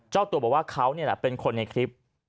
เจ้าตัวบอกว่าเขาเป็นคนในคลิป